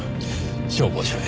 消防署へ。